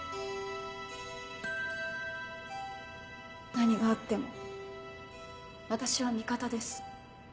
何があっても私は味方です。